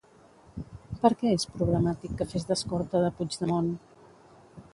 Per què és problemàtic que fes d'escorta de Puigdemont?